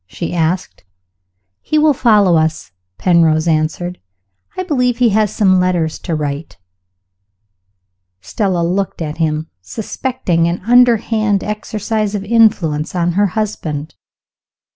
she asked. "He will follow us," Penrose answered. "I believe he has some letters to write." Stella looked at him, suspecting some underhand exercise of influence on her husband.